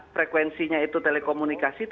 frekuensinya itu telekomunikasi